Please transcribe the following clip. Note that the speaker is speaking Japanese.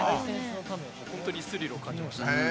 本当にスリルを感じました。